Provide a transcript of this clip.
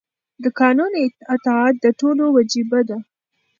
د قانون اطاعت د ټولو وجیبه ده.